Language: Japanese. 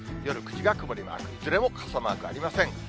夜９時が曇りマーク、いずれも傘マークありません。